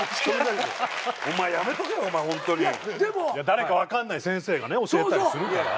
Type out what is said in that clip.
誰か分かんない先生がね教えたりするから。